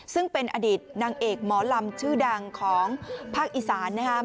ซึ่งเป็นอดีตนางเอกหมอลำชื่อดังของภาคอีสานนะครับ